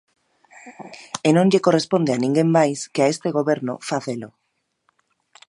E non lle corresponde a ninguén máis que a este goberno facelo.